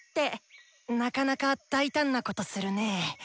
なかなか大胆なことするね。